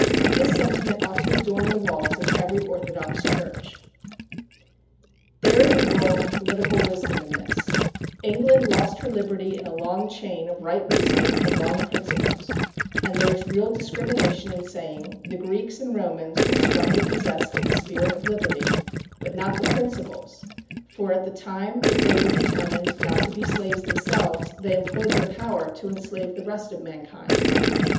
This sentiment ought to adorn the walls of every orthodox church. There is a world of political wisdom in this: "England lost her liberty in a long chain of right reasoning from wrong principles;" and there is real discrimination in saying, "The Greeks and Romans were strongly possessed of the spirit of liberty, but not the principles, for at the time that they were determined not to be slaves themselves, they employed their power to enslave the rest of mankind."